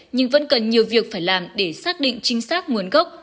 nhưng vẫn cần nhiều việc phải làm để xác định chính xác nguồn gốc